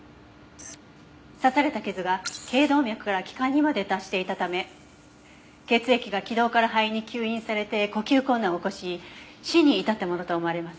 刺された傷が頸動脈から気管にまで達していたため血液が気道から肺に吸引されて呼吸困難を起こし死に至ったものと思われます。